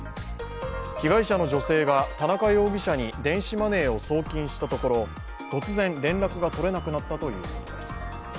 被害者の女性が田中容疑者に電子マネーを送金したところ突然、連絡が取れなくなったということです。